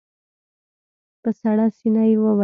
په سړه سينه يې وويل.